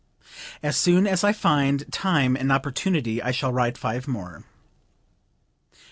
As soon as I find time and opportunity I shall write five more."